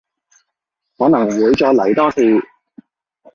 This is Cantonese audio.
可能會再嚟多次